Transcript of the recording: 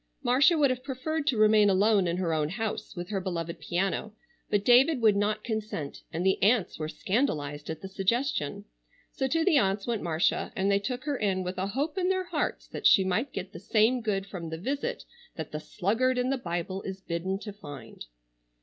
Marcia would have preferred to remain alone in her own house, with her beloved piano, but David would not consent, and the aunts were scandalized at the suggestion. So to the aunts went Marcia, and they took her in with a hope in their hearts that she might get the same good from the visit that the sluggard in the Bible is bidden to find.